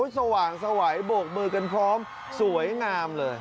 สว่างสวัยโบกมือกันพร้อมสวยงามเลย